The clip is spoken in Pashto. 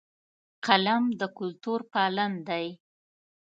قلم د کلتور پالن دی